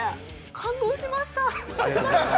感動しました。